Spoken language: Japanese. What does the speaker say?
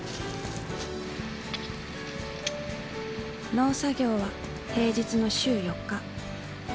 農作業は平日の週４日。